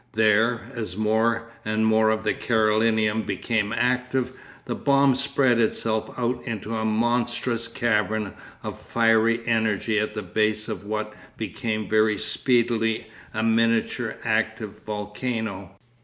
There, as more and more of the Carolinum became active, the bomb spread itself out into a monstrous cavern of fiery energy at the base of what became very speedily a miniature active volcano.